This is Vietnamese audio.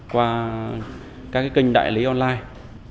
qua các kênh đại lý online